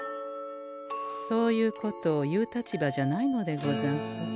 そういうことを言う立場じゃないのでござんす。